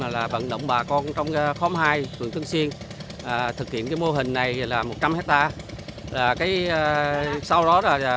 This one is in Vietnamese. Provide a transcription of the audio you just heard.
trạm là vận động bà con trong phòng hai vườn xuân siêng thực hiện mô hình này một trăm linh la ra